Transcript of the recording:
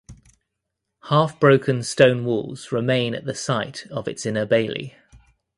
Half broken stone walls remain at the site of its inner bailey.